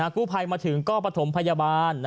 กู้ภัยมาถึงก้อปฐมพยาบาล